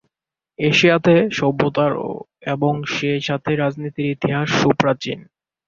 এশিয়াতে সভ্যতার এবং সেই সাথে রাজনীতির ইতিহাস সুপ্রাচীন।